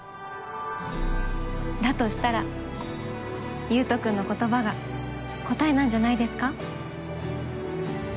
だとしたら優斗君の言葉が答えなんじゃないですか？